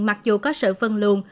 mặc dù có sự phân luồn